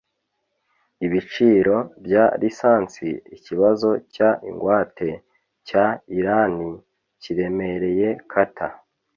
ibiciro bya lisansi, ikibazo cya ingwate cya irani kiremereye carter